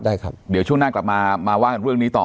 เดี๋ยวช่วงหน้ากลับมาว่ากันเรื่องนี้ต่อ